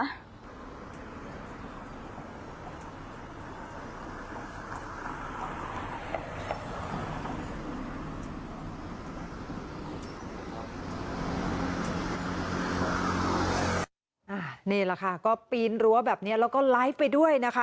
นี่แหละค่ะก็ปีนรั้วแบบนี้แล้วก็ไลฟ์ไปด้วยนะคะ